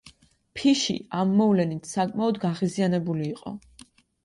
ფიში ამ მოვლენით საკმაოდ გაღიზიანებული იყო.